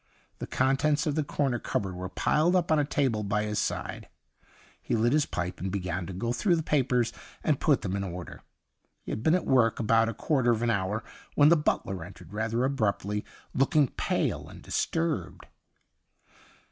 The contents of the corner cupboard were piled up on a table by his side. He lit his pipe and began to go through the papers and put them in order. He had been at work 149 THE UNDYING THING about a quarter of an hour when the butler entered rather abruptly, look ing pale and disturbed.